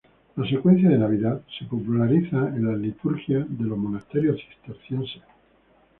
La secuencia de Navidad se populariza en la liturgia de los monasterios cistercienses.